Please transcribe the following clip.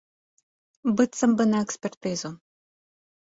Быццам бы на экспертызу.